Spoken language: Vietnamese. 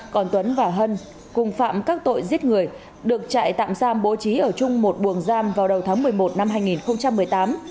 còn tuấn và hân cùng phạm các tội giết người được trại tạm giam bố trí ở chung một buồng giam vào đầu tháng một mươi một năm hai nghìn một mươi tám